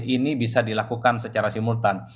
ini bisa dilakukan secara simultan